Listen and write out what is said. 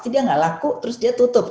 dia nggak laku terus dia tutup